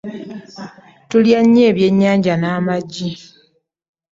Tulya nnyo ebyennyanja n'amagi.